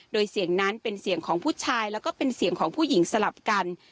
โดยเสียงนั้นเป็นเสียงของผู้ชายแล้วก็เป็นเสียงของผู้หญิงสลับกัน